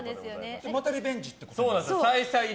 またリベンジってこと？